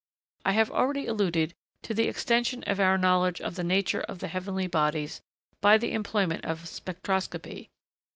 I have already alluded to the extension of our knowledge of the nature of the heavenly bodies by the employment of spectroscopy.